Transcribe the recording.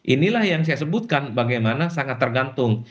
inilah yang saya sebutkan bagaimana sangat tergantung